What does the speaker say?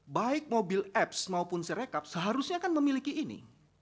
baik mobil apps maupun serekap seharusnya akan memiliki ini